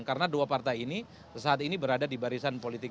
karena dua partai ini saat ini berada di barisan politik